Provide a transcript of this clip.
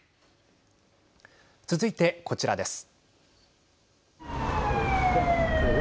続いて、こちらです。